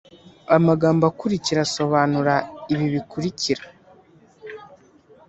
amagambo akurikira asobanura ibi bikurikira: